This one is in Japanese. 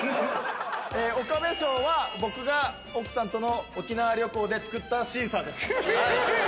岡部賞は僕が奥さんとの沖縄旅行で作ったシーサーです。